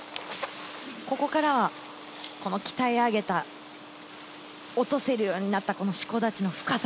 ここからは鍛え上げた落とせるようになったしこ立ちの深さ。